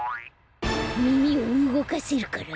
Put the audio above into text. みみをうごかせるから？